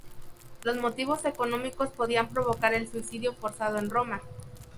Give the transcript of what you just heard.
Los motivos económicos podían provocar el suicidio forzado en Roma.